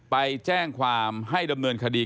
ไปแจ้งความให้ดำเนินคดี